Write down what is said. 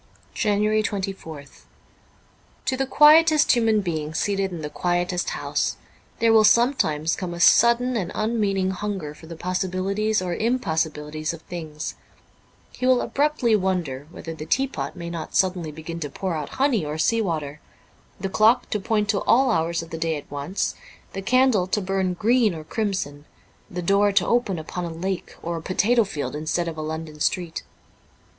'* 24 JANUARY 24th TO the quietest human being, seated in the quietest house, there will sometimes come a sudden and unmeaning hunger for the possi bilities or impossibilities of things ; he will abruptly wonder whether the teapot may not suddenly begin to pour out honey or sea water, the clock to point to all hours of the day at once, the candle to burn green or crimson, the door to open upon a lake or a potato field instead of a London street.